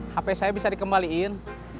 hp saya bisa dikembalikan